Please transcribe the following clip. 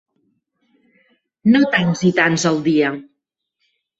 No tants i tants al dia.